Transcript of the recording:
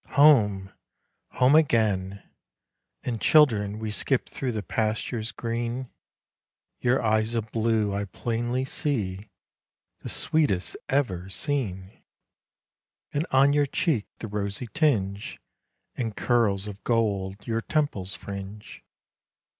Home! home again! and, children, we Skip through the pastures green; Your eyes of blue I plainly see "The sweetest ever seen;" And on your cheek the rosy tinge; And curls of gold your temples fringe.